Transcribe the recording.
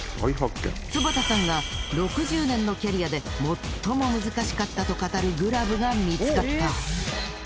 坪田さんが６０年のキャリアで「最も難しかった」と語るグラブが見つかった！